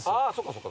そっか。